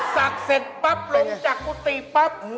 เสร็จปั๊บลงจากกุฏิปั๊บ